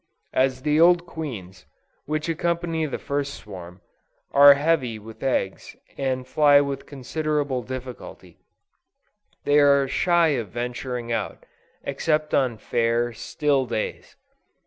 As the old queens, which accompany the first swarm, are heavy with eggs, and fly with considerable difficulty, they are shy of venturing out, except on fair, still days.